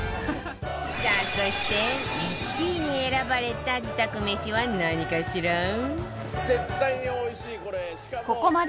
さあそして１位に選ばれた自宅めしは何かしら？